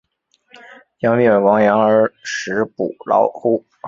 将必俟亡羊而始补牢乎！